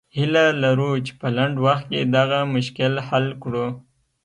هیله لرو چې په لنډ وخت کې دغه مشکل حل کړو.